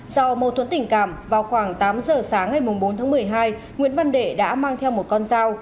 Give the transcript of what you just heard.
do mâu thuẫn tình cảm vào khoảng tám giờ sáng ngày bốn tháng một mươi hai nguyễn văn đệ đã mang theo một con dao